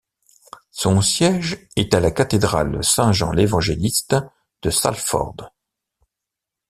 Son siège est à la cathédrale Saint-Jean-l'Évangéliste de Salford.